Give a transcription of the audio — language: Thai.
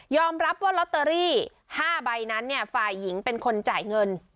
รับว่าลอตเตอรี่๕ใบนั้นเนี่ยฝ่ายหญิงเป็นคนจ่ายเงิน